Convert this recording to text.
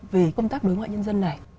về công tác đối ngoại nhân dân này